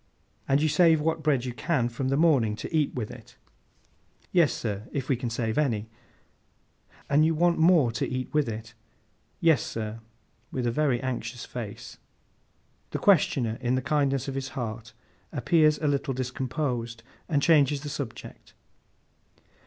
'And you save what bread you can from the morning, to eat with it?' 'Yes, sir—if we can save any.' 'And you want more to eat with it?' 'Yes, sir.' With a very anxious face. The questioner, in the kindness of his heart, appears a little discomposed, and changes the subject.